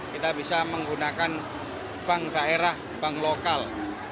kita bisa menggunakan bank daerah bank lokal